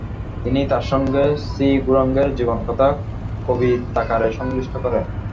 তিনি তাঁর সঙ্গে শ্ৰীগৌরাঙ্গের জীবনকথা কবিতাকারে সংশ্লিষ্ট করেন।